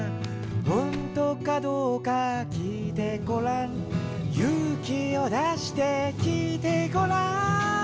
「ほんとかどうか聞いてごらん」「勇気を出して聞いてごらん」